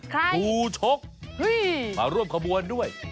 ครูชกมาร่วมขบวนด้วย